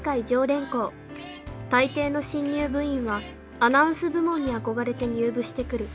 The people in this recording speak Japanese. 大抵の新入部員はアナウンス部門に憧れて入部してくる。